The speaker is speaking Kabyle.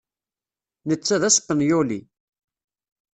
Netta d aspenyuli.